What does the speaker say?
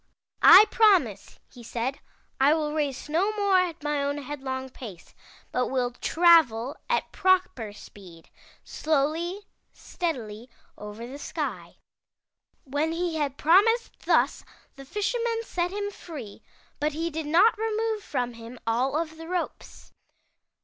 *I promise,' he said, *I will race no more at my own headlong pace, but will travel at proper speed, slowly, steadily over the sky.' ''When he had promised thus, the Fisherman set him free, but he did not remove from him all of the ropes.